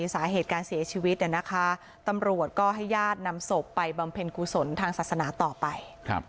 สาเหตุการเสียชีวิตตำรวจก็ให้ญาตินำศพไปบำเพ็ญกุศลทางศาสนาต่อไป